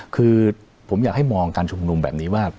คือผมอยากให้มองการชุมนุมแบบนี้ว่า